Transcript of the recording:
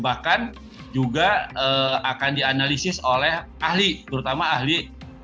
bahkan juga akan dianalisis oleh ahli terutama ahli